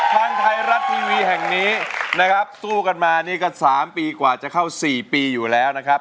ทางไทยรัฐทีวีแห่งนี้นะครับสู้กันมานี่ก็๓ปีกว่าจะเข้า๔ปีอยู่แล้วนะครับ